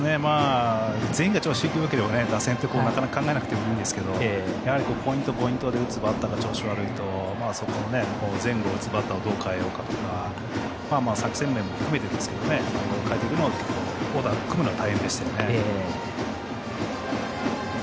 全員が調子いいと打線ってなかなか考えなくていいんですけどポイント、ポイントで打つバッターが調子悪いと前後を打つバッターをどう変えようかとか作戦面を含めて結構オーダー組むのが大変でしたよね。